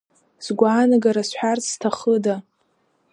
Згәаанагара зҳәарц зҭахыда?